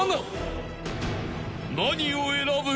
［何を選ぶ？］